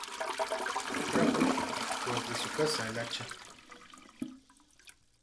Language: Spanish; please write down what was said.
Trajo, pues de su casa el hacha.